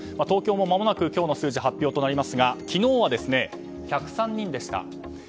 東京もまもなく今日の数値が発表となりますが昨日は１０３人でした。